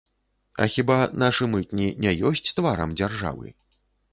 А хіба нашы мытні не ёсць тварам дзяржавы?!